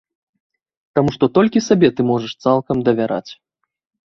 Таму што толькі сабе ты можаш цалкам давяраць.